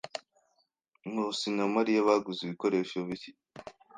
Nkusi na Mariya baguze ibikoresho bishya.